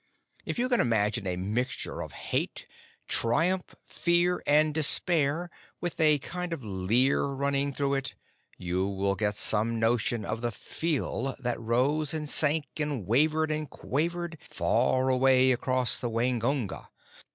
If you can imagine a mixture of hate, triumph, fear, and despair, with a kind of leer running through it, you will get some notion of the pheeal that rose and sank and wavered and quavered far away across the Waingunga.